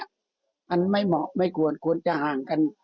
มันไม่เหมาะไม่ควรควรจะห่างกัน